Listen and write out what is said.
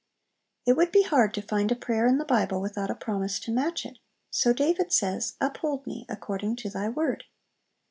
It would be hard to find a prayer in the Bible without a promise to match it; so David says, "Uphold me, according to Thy word."